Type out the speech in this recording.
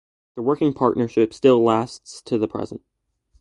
Their working partnership still lasts to the present.